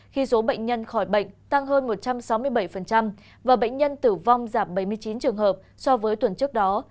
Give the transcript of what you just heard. khi số bệnh nhân khỏi bệnh tăng hơn một trăm sáu mươi bảy và bệnh nhân tử vong giảm bảy mươi chín trường hợp so với tuần trước đó